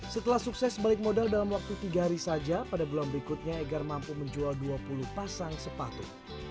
setelah sukses balik modal dalam waktu tiga hari saja pada bulan berikutnya egar mampu menjual dua puluh pasang sepatu